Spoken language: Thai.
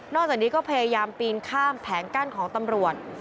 จากนี้ก็พยายามปีนข้ามแผงกั้นของตำรวจ